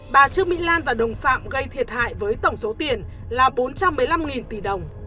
bà trương mỹ lan và đồng phạm gây thiệt hại với tổng số tiền là bốn trăm một mươi năm tỷ đồng